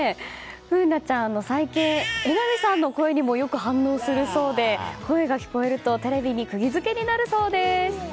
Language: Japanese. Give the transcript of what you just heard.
楓菜ちゃんは最近榎並さんの声にもよく反応するそうで声が聞こえるとテレビにくぎ付けになるそうです。